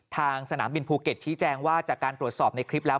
สนามบินภูเก็ตชี้แจงว่าจากการตรวจสอบในคลิปแล้ว